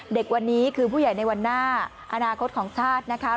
เด็กวันนี้คือผู้ใหญ่ในวันหน้าอนาคตของชาตินะคะ